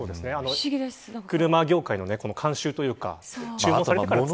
車業界の慣習というか注文されてから作ると。